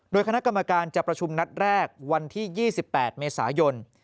โดยคณะกรรมการจะประชุมนัดแรกวันที่๒๘เมษายน